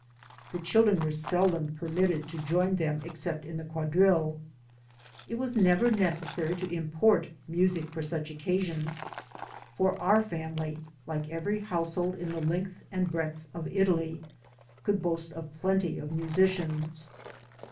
The children were seldom permitted to join them except in the quadrille. It was never necessary to import music for such occasions, for our family, like every household in the length and breadth of Italy, could boast of plenty of mu sicians.